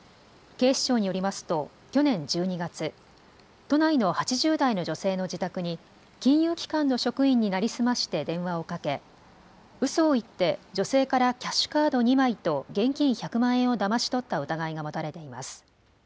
警視庁によりますと去年１２月、都内の８０代の女性の自宅に金融機関の職員に成り済まして電話をかけうそを言って女性からキャッシュカード２枚と現金１００万円をだまし取った疑いが持たれています。